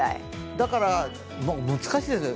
だから難しいですね。